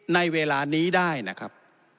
ในเวลานี้ได้นะครับ